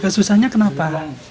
agak susahnya kenapa